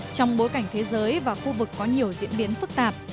trong bối cảnh thế giới và khu vực có nhiều diễn biến phức tạp